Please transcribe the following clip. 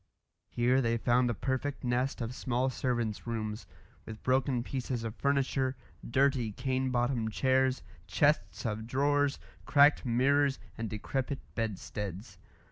Here they found a perfect nest of small servants' rooms, with broken pieces of furniture, dirty cane bottomed chairs, chests of drawers, cracked mirrors, and decrepit bedsteads.